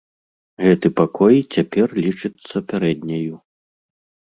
Гэты пакой цяпер лічыцца пярэдняю.